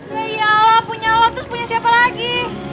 ya allah punya alat terus punya siapa lagi